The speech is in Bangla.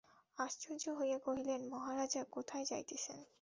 আশ্চর্য হইয়া কহিলেন, মহারাজ, কোথায় যাইতেছেন?